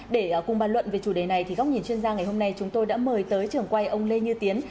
để cùng bàn luận về chủ đề này thì góc nhìn chuyên gia ngày hôm nay chúng tôi đã mời tới trưởng quay ông lê như tiến